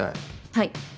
はい。